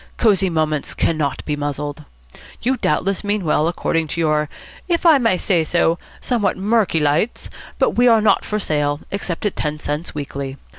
Cosy Moments cannot be muzzled. You doubtless mean well, according to your if I may say so somewhat murky lights, but we are not for sale, except at ten cents weekly.